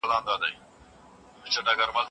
ادبیاتو پوهنځۍ بې له ځنډه نه پیلیږي.